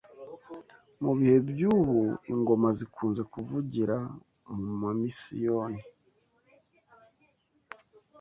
Mu bihe by’ubu ingoma zikunze kuvugira mu ma Misiyoni